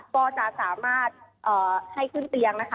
ก็จะสามารถให้ขึ้นเตียงนะคะ